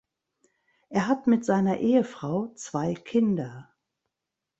Er hat mit seiner Ehefrau zwei Kinder.